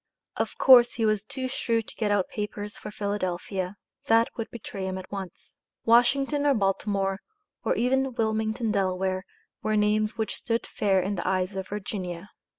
Of course he was too shrewd to get out papers for Philadelphia. That would betray him at once. Washington or Baltimore, or even Wilmington, Del., were names which stood fair in the eyes of Virginia.